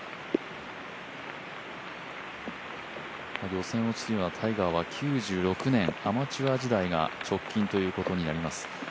予選落ちというのはタイガーは９６年アマチュア時代が、直近ということになります。